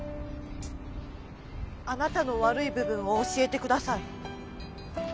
あなたの悪い部分を教えてください。